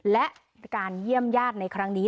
และการเยี่ยมญาติในครั้งนี้